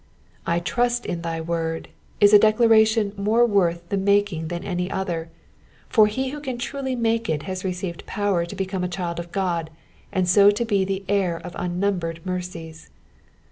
^^ I trust in thy word 'Ms a declaration more worth the making than any other ; for he who can truly make it has received power to become a child of God, and so to be the heir of unnumbered mercies.